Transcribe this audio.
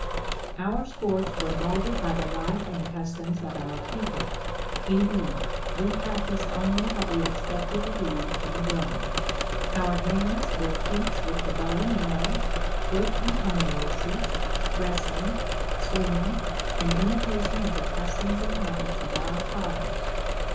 Our sports were molded by the life and customs of our people; indeed, we practiced only what we expected to do when grown. Our games were feats with the bow and arrow, foot and pony races, wrestling, swimming and imitation of the customs and habits of our fathers.